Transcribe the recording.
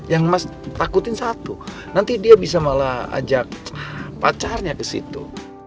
yang mas takutin satu nanti dia bisa malah ajak pacarnya ke situ